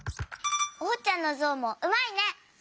おうちゃんのゾウもうまいね！